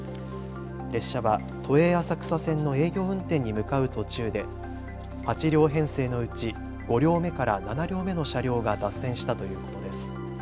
列車は都営浅草線の営業運転に向かう途中で８両編成のうち５両目から７両目の車両が脱線したということです。